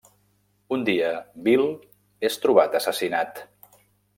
Un dia, Bill és trobat assassinat.